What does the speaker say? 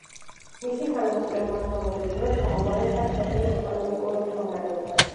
მისი ხანმოკლე მმართველობის დროს გაუარესდა ქვეყნის ეკონომიკური მდგომარეობაც.